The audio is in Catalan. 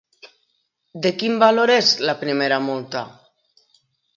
De quin valor és la primera multa?